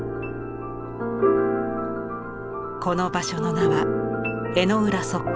この場所の名は「江之浦測候所」。